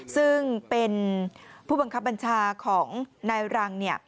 ซึ่งเป็นผู้บังคับบัญชาของนายรัง